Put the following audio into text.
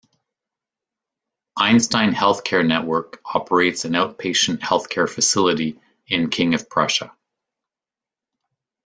Einstein Healthcare Network operates an outpatient healthcare facility in King of Prussia.